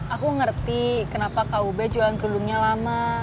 aku ngerti kenapa kau bed jualan kerudungnya lama